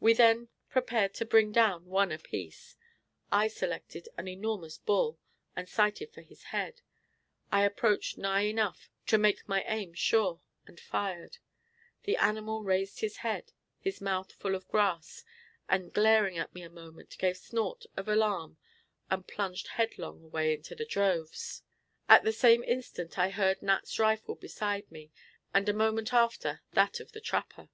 We then prepared to bring down one apiece. I selected an enormous bull, and sighted for his head. I approached nigh enough to make my aim sure, and fired. The animal raised his head, his mouth full of grass, and glaring at me a moment, gave a snort of alarm and plunged headlong away into the droves. At the same instant I heard Nat's rifle beside me, and a moment after that of the trapper.